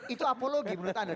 itu apologi menurut anda